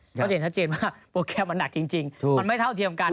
ก็จะเห็นชัดเจนว่าโปรแกรมมันหนักจริงมันไม่เท่าเทียมกัน